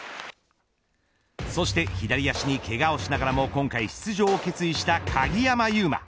そして左足にけがをしながらも今回出場を決意した鍵山優真。